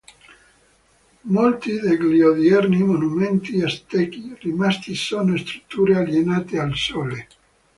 Molti degli odierni monumenti aztechi rimasti sono strutture allineate al sole.